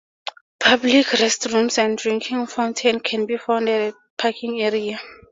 Public restrooms and a drinking fountain can be found at the parking area.